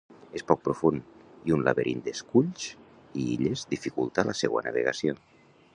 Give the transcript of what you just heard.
És poc profund, i un laberint d'esculls i illes dificulta la seua navegació.